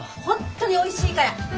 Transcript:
本当においしいから！